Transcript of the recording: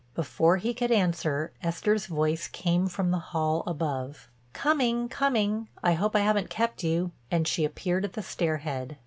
Before he could answer Esther's voice came from the hall above: "Coming—coming. I hope I haven't kept you," and she appeared at the stair head.